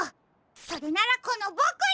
それならこのボクに！